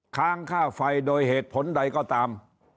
ค้างค่าไฟโดยเหตุผลใดก็ตาม